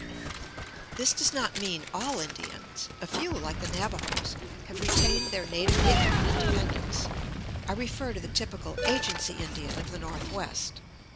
This does not mean all Indians a few, like the Navajoes, have retained their native vigor and independence I refer to the typical "agency Indian" of the Northwest.